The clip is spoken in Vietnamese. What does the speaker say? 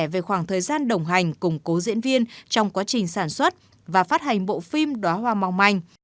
về khoảng thời gian đồng hành cùng cố diễn viên trong quá trình sản xuất và phát hành bộ phim đóa hoa mong manh